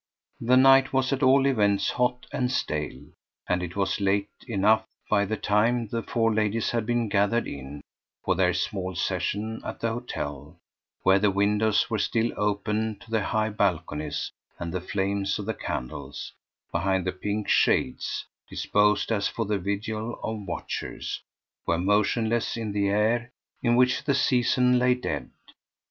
The night was at all events hot and stale, and it was late enough by the time the four ladies had been gathered in, for their small session, at the hotel, where the windows were still open to the high balconies and the flames of the candles, behind the pink shades disposed as for the vigil of watchers were motionless in the air in which the season lay dead.